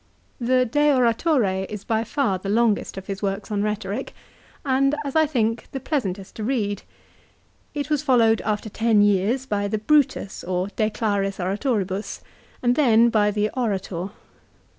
The' " De Oratore " is by far the longest of his works on rhetoric, and, as I think, the pleasantest to read. It was followed after ten years by the " Brutus " or " De Claris Oratoribus," and then by the " Orator.